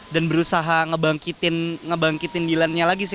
dan berusaha ngebangkitin dilan nya lagi sih